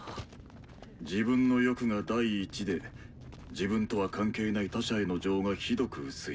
自分の欲が第一で自分とは関係ない他者への情がひどく薄い。